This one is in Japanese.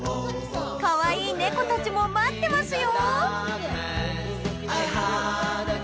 かわいい猫たちも待ってますよ！